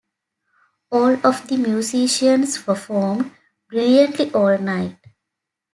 All of the musicians performed brilliantly all night.